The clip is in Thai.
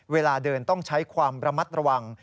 เวลาเดินต้องใช้ความระมัดระวัง